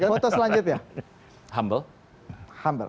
foto selanjutnya humble